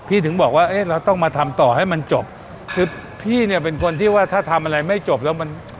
ถึงบอกว่าเอ๊ะเราต้องมาทำต่อให้มันจบคือพี่เนี่ยเป็นคนที่ว่าถ้าทำอะไรไม่จบแล้วมัน